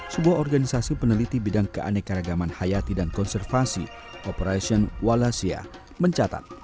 sebuah organisasi peneliti bidang keanekaragaman hayati dan konservasi operation walasia mencatat